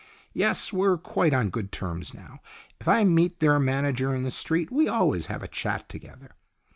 Yes, we're quite on good terms now. If I meet their manager in the street we always have a chat together.